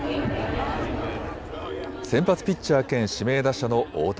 先発ピッチャー兼指名打者の大谷。